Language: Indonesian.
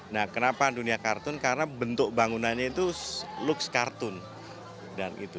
nah kenapa dunia kartun karena bentuk bangunannya itu looks kartun dan itu